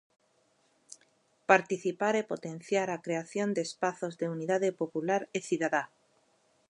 Participar e potenciar a creación de espazos de unidade popular e cidadá.